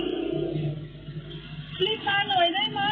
เขามาทำร้ายกันแล้ว